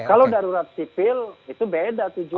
kalau darurat sipil itu beda